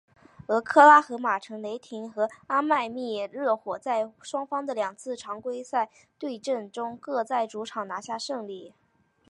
俄克拉何马城雷霆和迈阿密热火在双方的两次的常规赛对阵中各在主场拿下胜利。